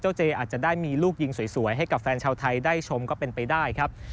เจอาจจะได้มีลูกยิงสวยให้กับแฟนชาวไทยได้ชมก็เป็นไปได้ครับ